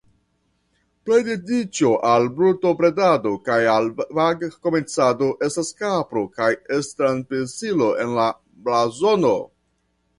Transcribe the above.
Pri dediĉo al brutobredado kaj al vagkomercado estas kapro kaj stangpesilo en la blazono.